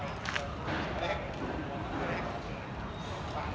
อันที่สุดท้ายก็คือภาษาอันที่สุดท้าย